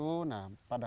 nah pada fase pengisiannya